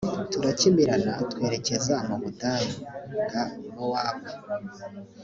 turakimirana, twerekeza mu butayu bwa mowabu.